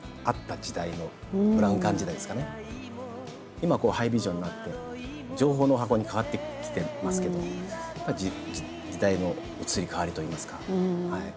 今こうハイビジョンになって情報の箱に変わってきてますけどやっぱり時代の移り変わりといいますかはい。